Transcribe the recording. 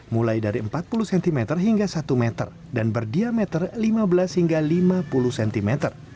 mulai dari empat puluh cm hingga satu meter dan berdiameter lima belas hingga lima puluh cm